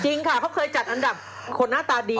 จริงค่ะเขาเคยจัดอันดับคนหน้าตาดี